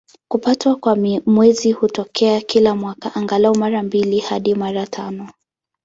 Kupatwa kwa Mwezi hutokea kila mwaka, angalau mara mbili hadi mara tano.